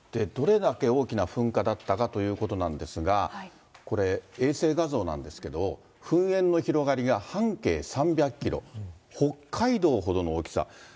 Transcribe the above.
どれだけ大きな噴火だったかということなんですが、これ、衛星画像なんですけど、噴煙の広がりが半径３００キロ、北海道ほどの大きさ。